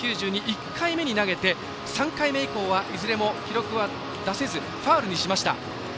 １回目に投げて３回目以降はいずれも記録は出せずファウルにしました。